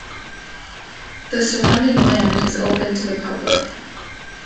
The surrounding land is open to the public.